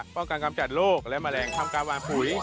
ป้องกันกำจัดโรคและแมลงทำการวางปุ๋ย